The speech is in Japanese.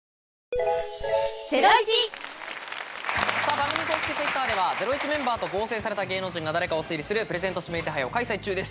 番組公式Ｔｗｉｔｔｅｒでは『ゼロイチ』メンバーと合成された芸能人が誰かを推理するプレゼント指名手配を開催中です。